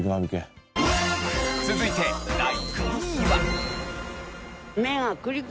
続いて第４位は。